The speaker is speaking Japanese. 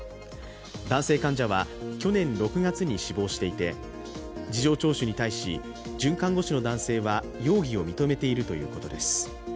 男性患者は去年６月に死亡していて事情聴取に対し准看護師の男性は容疑を認めているということです。